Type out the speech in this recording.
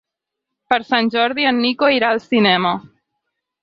Per Sant Jordi en Nico irà al cinema.